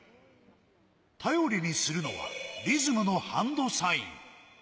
頼りにするのはリズムのハンドサイン。